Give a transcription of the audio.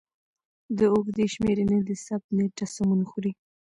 د اوږدې شمېرنې د ثبت نېټه سمون خوري.